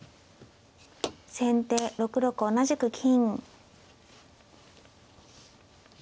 先手６六同じく金。